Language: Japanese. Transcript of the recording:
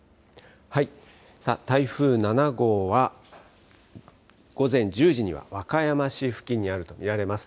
台風７号は、午前１０時には和歌山市付近にあると見られます。